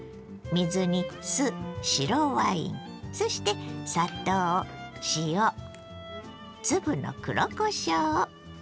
水に酢白ワインそして砂糖塩粒の黒こしょう。